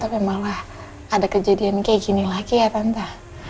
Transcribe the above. tapi malah ada kejadian kayak gini lagi ya pantas